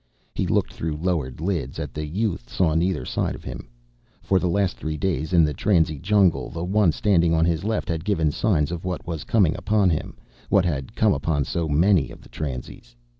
He looked through lowered lids at the youths on either side of him. For the last three days in the transie jungle, the one standing on his left had given signs of what was coming upon him, what had come upon so many of the transies.